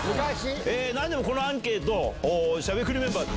何でもこのアンケートしゃべくりメンバー。